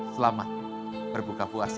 selamat berbuka puasa